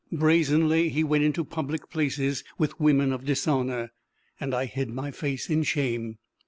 Brazenly he went into public places with women of dishonour, and I hid my face in shame.